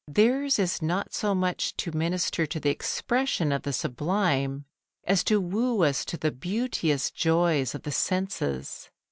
Theirs is not so much to minister to the expression of the sublime as to woo us to the beauteous joys of the senses.